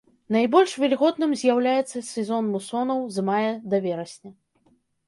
Найбольш вільготным з'яўляецца сезон мусонаў з мая да верасня.